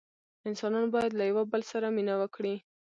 انسانان باید له یوه بل سره مینه وکړي.